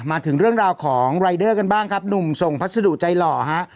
มาถึงเรื่องราวของรายเดอร์กันบ้างครับหนุ่มส่งพัสดุใจหล่อฮะ